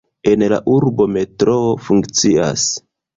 En la urbo metroo funkcias.